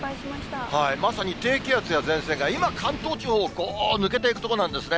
まさに低気圧や前線が今、関東地方をこう、抜けていくところなんですね。